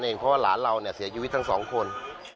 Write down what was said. เพราะว่าหลานเราเนี่ยเสียชีวิตทั้งสองคน